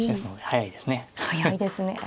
速いですね。